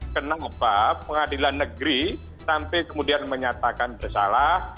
kenapa pengadilan negeri sampai kemudian menyatakan bersalah